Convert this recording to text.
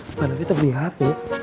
bapak nanti terberi hp